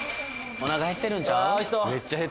おなか減ってるんちゃう？